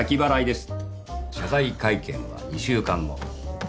謝罪会見は２週間後。